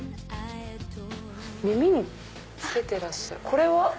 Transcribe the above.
耳に着けてらっしゃるこれは？